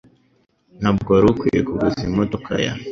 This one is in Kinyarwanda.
Ntabwo wari ukwiye kuguza imodoka ya